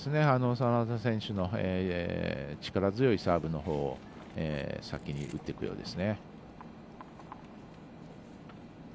眞田選手の力強いサーブのほうを先に打っていくようです。